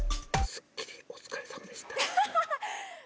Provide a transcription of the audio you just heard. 「『スッキリ』お疲れさまでした」。